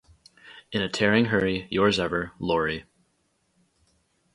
In a tearing hurry, Yours ever, Laurie.